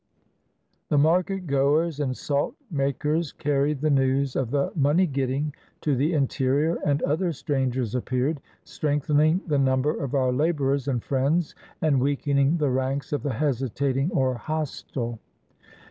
The market goers and salt makers carried the news of the money getting to the interior, and other strangers appeared, strengthening the number of our laborers and friends, and weakening the ranks of the hesitating or hostile.